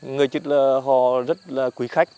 người chứt họ rất là quý khách